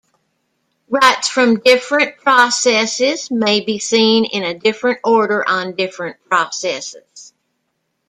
Writes from different processes may be seen in a different order on different processes.